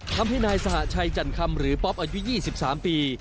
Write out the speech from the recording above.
ทำให้นายสหชัยจันคำหรือป๊อปอายุ๒๓ปี